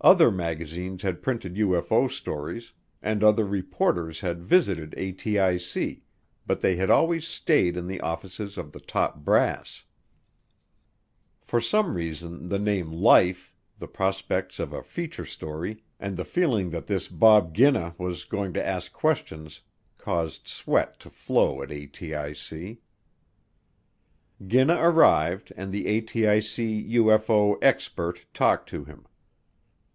Other magazines had printed UFO stories, and other reporters had visited ATIC, but they had always stayed in the offices of the top brass. For some reason the name Life, the prospects of a feature story, and the feeling that this Bob Ginna was going to ask questions caused sweat to flow at ATIC. Ginna arrived and the ATIC UFO "expert" talked to him.